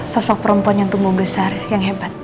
sosok perempuan yang tumbuh besar yang hebat